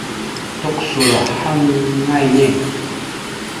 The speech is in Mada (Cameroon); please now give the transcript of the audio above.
Tukəsoro ahaŋ aŋa enne.